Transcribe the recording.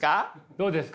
どうですか？